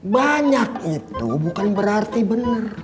banyak itu bukan berarti benar